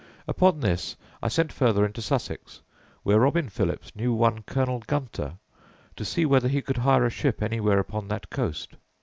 "Upon this, I sent further into Sussex, where Robin Philips knew one Colonel Gunter, to see whether he could hire a ship anywhere upon that coast.